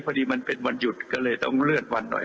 พอดีมันเป็นวันหยุดก็เลยต้องเลื่อนวันหน่อย